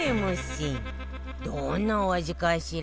どんなお味かしら？